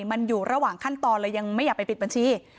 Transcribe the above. มันอยู่ระหว่างขั้นตอนเลยยังไม่อยากไปปิดบัญชี